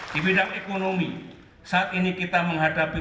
di bidang ekonomi saat ini kita menghadapi